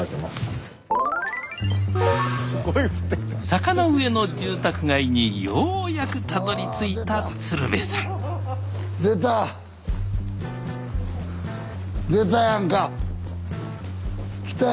坂の上の住宅街にようやくたどりついた鶴瓶さん出た。